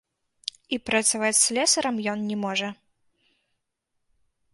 І працаваць слесарам ён не можа.